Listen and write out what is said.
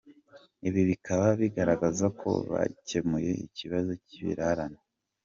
Ibi bikaba bigaragaza ko bwakemuye ikibazo cy’ibirarane.